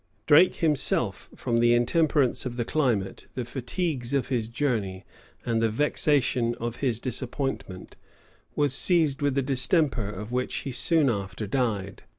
Drake himself, from the intemperance of the climate, the fatigues of his journey, and the vexation of his disappointment, was seized with a distemper of which he soon after died.